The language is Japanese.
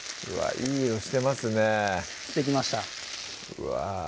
いい色してますねしてきましたうわ